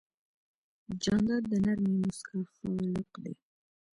جانداد د نرمې موسکا خالق دی.